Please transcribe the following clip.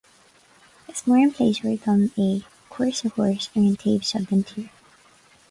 Is mór an pléisiúr dom é cuairt a thabhairt ar an taobh seo den tír